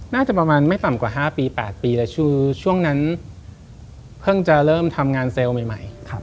น่าจะประมาณไม่ต่ำกว่า๕ปี๘ปีแต่คือช่วงนั้นเพิ่งจะเริ่มทำงานเซลล์ใหม่